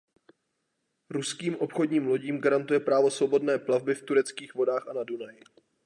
Ruským obchodním lodím garantuje právo svobodné plavby v tureckých vodách a na Dunaji.